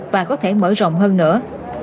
và có thể mở rộng hơn nữa